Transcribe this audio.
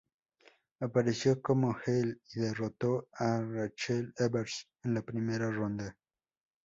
Apareció como heel y derrotó a Rachel Evers en la primera ronda.